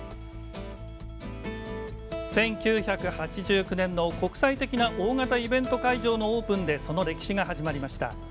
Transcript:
１９８９年の国際的な大型イベント会場のオープンでその歴史が始まりました。